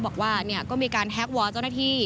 บอกว่าเนี่ยก็มีการแฮ็กวอลเจ้าหน้าที่